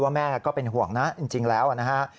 แม่ก็เป็นห่วงนะจริงแล้วนะฮะ